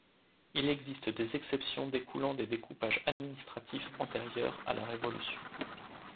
Il existe des exceptions découlant des découpages administratifs antérieurs à la Révolution.